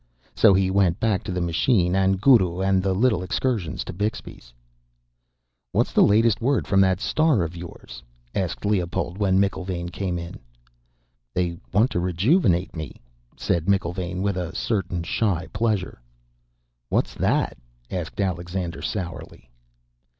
So he went back to the machine and Guru and the little excursions to Bixby's...." "What's the latest word from that star of yours?" asked Leopold, when McIlvaine came in. "They want to rejuvenate me," said McIlvaine, with a certain shy pleasure. "What's that?" asked Alexander sourly.